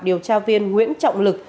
điều tra viên nguyễn trọng lực